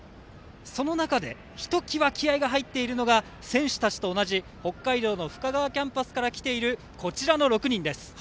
その中でひときわ気合いが入っているのが選手たちと同じ北海道の深川キャンバスから来ているこちらの６人です。